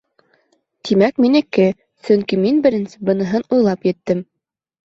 Тимәк, минеке, сөнки мин беренсе быныһын уйлап еттем.